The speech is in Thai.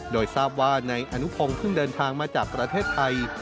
โดยทราบว่านายอนุพงศ์เพิ่งเดินทางมาจากประเทศไทย